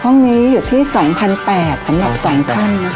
ห้องนี้อยู่ที่๒๘๐๐บาทสำหรับ๒ท่าน